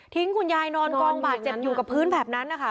คุณยายนอนกองบาดเจ็บอยู่กับพื้นแบบนั้นนะคะ